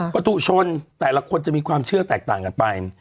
ตุชนแต่ละคนจะมีความเชื่อแตกต่างกันไป